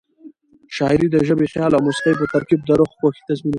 شاعري د ژبې، خیال او موسيقۍ په ترکیب د روح خوښي تضمینوي.